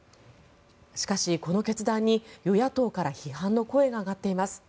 しかし、この決断に与野党から批判の声が上がっています。